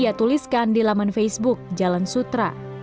ia tuliskan di laman facebook jalan sutra